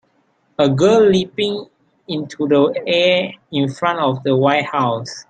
A girl leaping into the air in front of the White house.